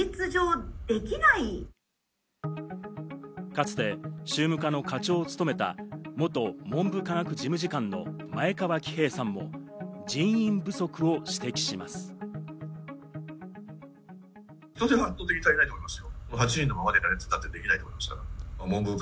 かつて宗務課の課長を務めた元文部科学事務次官の前川喜平さんも人員不足を指摘します。